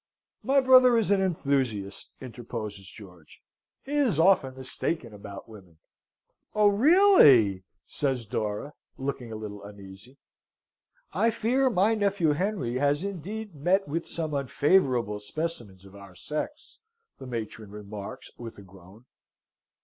"My brother is an enthusiast," interposes George. "He is often mistaken about women." "Oh, really!" says Dora, looking a little uneasy. "I fear my nephew Henry has indeed met with some unfavourable specimens of our sex," the matron remarks, with a groan.